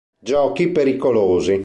Giochi pericolosi